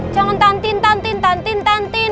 jangan tantin tantin tantin kantin